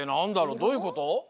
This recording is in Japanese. どういうこと？